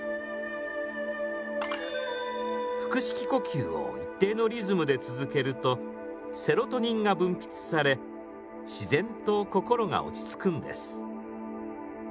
腹式呼吸を一定のリズムで続けるとセロトニンが分泌され自然と心が落ち着くんです。